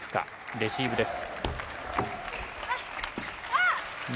レシーブです。